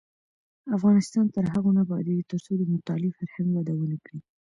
افغانستان تر هغو نه ابادیږي، ترڅو د مطالعې فرهنګ وده ونه کړي.